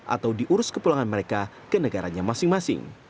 atau diurus kepulangan mereka ke negaranya masing masing